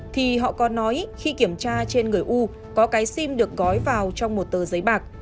thì họ có nói khi kiểm tra trên người u có cái sim được gói vào trong một tờ giấy bạc